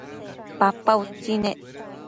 papa utsi nec